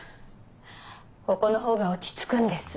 ここの方が落ち着くんです。